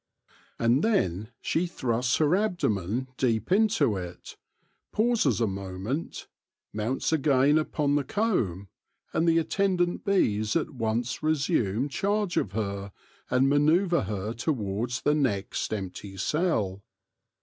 And then she thrusts her abdomen deep into it, pauses a mo ment, mounts again upon the comb, and the attend ant bees at once resume charge of her, and manoeuvre her towards the next empty cell.